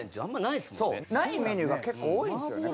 ないメニューが結構多いんですよね。